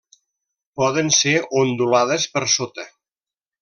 Poden ser ondulades per sota.